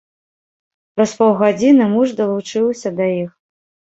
Праз паўгадзіны муж далучыўся да іх.